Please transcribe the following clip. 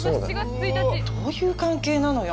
どういう関係なのよ